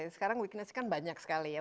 sekarang weekenness kan banyak sekali ya